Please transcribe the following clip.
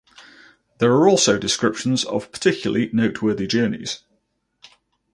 There are also descriptions of particularly noteworthy journeys.